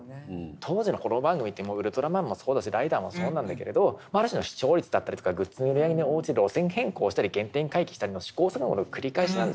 当時の子ども番組って「ウルトラマン」もそうだしライダーもそうなんだけれどある種の視聴率だったりグッズの売り上げに応じて路線変更したり原点回帰したりの試行錯誤の繰り返しなんですよ。